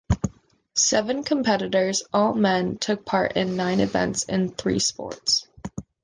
Seven competitors, all men, took part in nine events in three sports.